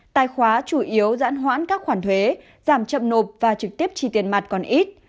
tài khóa chủ yếu giãn hoãn các khoản thuế giảm chậm nộp và trực tiếp chi tiền mặt còn ít